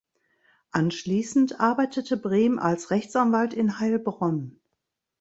Anschließend arbeitete Brehm als Rechtsanwalt in Heilbronn.